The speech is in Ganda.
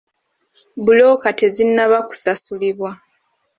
Bbulooka tezinnaba kusasulibwa.